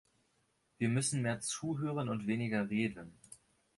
Wir müssen mehr zuhören und weniger reden.